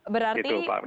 berarti pak herman